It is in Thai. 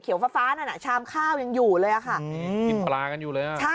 เขียวฟ้านั่นน่ะชามข้าวยังอยู่เลยอะค่ะ